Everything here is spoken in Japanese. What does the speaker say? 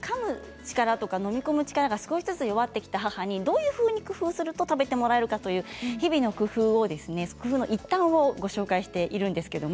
力とか飲み込む力が少しずつ弱ってきた母に、どういうふうに工夫すると食べてもらえるかと日々の工夫の一端をご紹介しています。